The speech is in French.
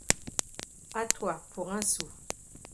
A toi pour un sou !